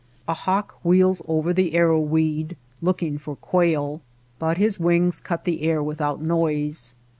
A hawk wheels along over the arrow weed looking for quail, but his wings cut the air without noise.